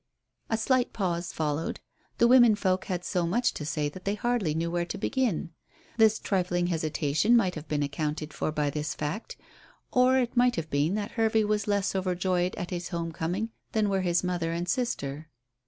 A slight pause followed. The women folk had so much to say that they hardly knew where to begin. That trifling hesitation might have been accounted for by this fact. Or it might have been that Hervey was less overjoyed at his home coming than were his mother and sister.